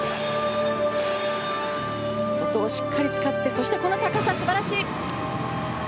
音をしっかり使ってそして、この高さ素晴らしい！